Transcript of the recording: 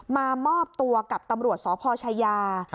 มามอบตัวกับตำรวจสพชายา